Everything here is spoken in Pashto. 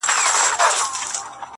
ستا بې روخۍ ته به شعرونه ليکم;